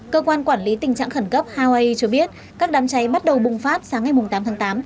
cơ quan quản lý tình trạng khẩn cấp hawaii cho biết các đám cháy bắt đầu bùng phát sáng ngày tám tháng tám